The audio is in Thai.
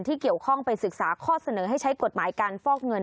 เกี่ยวข้องไปศึกษาข้อเสนอให้ใช้กฎหมายการฟอกเงิน